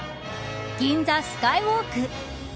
銀座スカイウォーク。